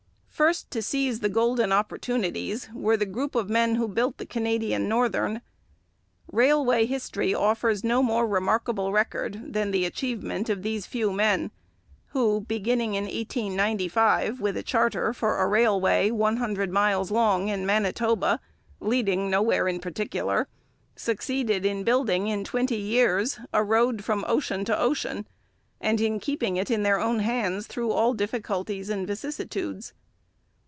First to seize the golden opportunities were the group of men who built the Canadian Northern. Railway history offers no more remarkable record than the achievement of these few men, who, beginning in 1895 with a charter for a railway one hundred miles long in Manitoba, leading nowhere in particular, succeeded in building in twenty years a road from ocean to ocean, and in keeping it in their own hands through all difficulties and vicissitudes.